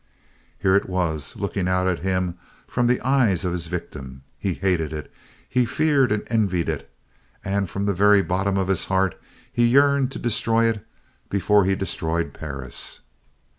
Here it was, looking out at him from the eyes of his victim. He hated it, he feared and envied it, and from the very bottom of his heart he yearned to destroy it before he destroyed Perris.